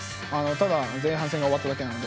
ただ前半戦が終わっただけなので。